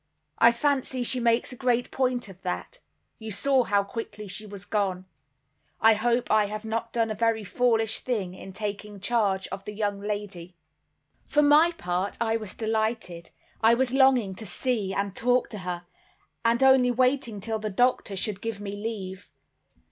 I fancy she makes a great point of that. You saw how quickly she was gone. I hope I have not done a very foolish thing, in taking charge of the young lady." For my part, I was delighted. I was longing to see and talk to her; and only waiting till the doctor should give me leave.